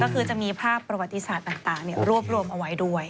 ก็คือจะมีภาพประวัติศาสตร์ต่างรวบรวมเอาไว้ด้วย